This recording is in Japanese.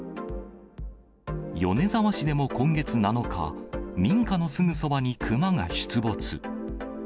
米沢市でも今月７日、民家のすぐそばにクマが出没。